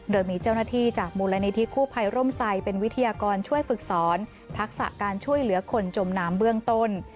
โดยมีเจ้าหน้าที่จากมูลนิธิกู้ภัยร่มไซดเป็นวิทยากรช่วยฝึกสอนทักษะการช่วยเหลือคนจมน้ำเบื้องต้น